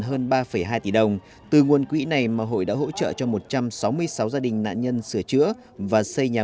hơn ba hai tỷ đồng từ nguồn quỹ này mà hội đã hỗ trợ cho một trăm sáu mươi sáu gia đình nạn nhân sửa chữa và xây nhà